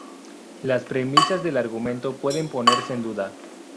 Las premisas del argumento pueden ponerse en duda.